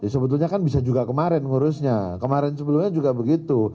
sebetulnya kan bisa juga kemarin ngurusnya kemarin sebelumnya juga begitu